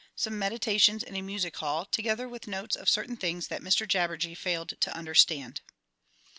Some Meditations in a Music hall, together with notes of certain things that Mr Jabberjee failed to understand.